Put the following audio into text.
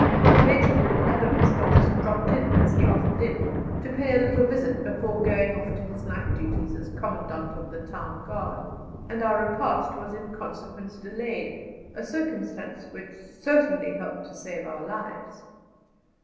Major Gould Adams had just dropped in, as he often did, to pay a little visit before going off to his night duties as Commandant of the Town Guard, and our repast was in consequence delayed a circumstance which certainly helped to save our lives.